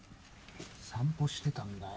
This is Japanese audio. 散歩してたんだよ。